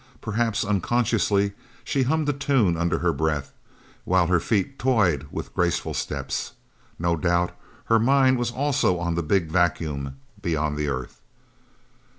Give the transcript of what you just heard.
Perhaps unconsciously, she hummed a tune under her breath, while her feet toyed with graceful steps. No doubt, her mind was also on the Big Vacuum beyond the Earth.